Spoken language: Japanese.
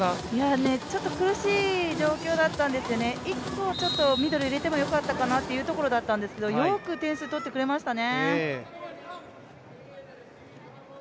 ちょっと苦しい状況だったんですよね、１個、ミドルを入れてもいいかなというところだったんですけどよく点数、取ってくれましたね。